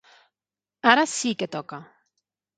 Ara sí que toca.